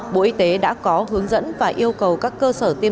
bộ y tế đã có hướng dẫn và yêu cầu các cơ sở tiêm